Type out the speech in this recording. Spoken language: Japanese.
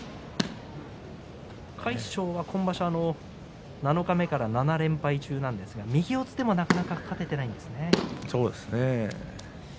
魁勝は今場所七日目から７連敗中なんですが右四つでもなかなか勝てないですね。